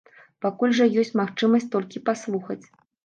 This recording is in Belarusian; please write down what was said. Пакуль жа ёсць магчымасць толькі паслухаць.